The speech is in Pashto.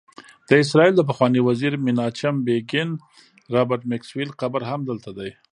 د اسرائیلو د پخواني وزیر میناچم بیګین، رابرټ میکسویل قبر هم دلته دی.